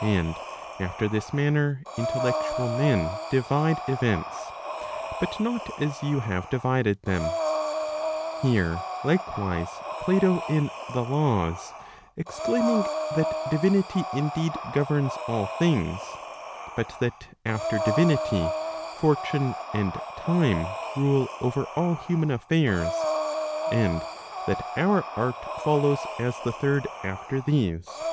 And after this manner intellectual men divide events, but not as you have divided them. Hear, likewise, Plato in the Laws exclaiming that divinity indeed governs all things ; but that after divinity, Fortune and Time rule over all human affairs; and that our art Proc. Vol. II. 3 N Digitized by vjOOQie 466 ON PROVIDENCE follows as the third after these.